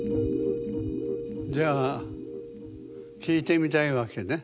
じゃあ聞いてみたいわけね？